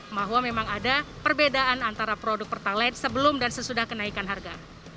bahwa memang ada perbedaan antara produk pertalite sebelum dan sesudah kenaikan harga